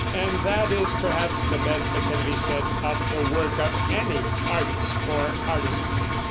And that is perhaps the best that can be said of the work of any artist or artisan.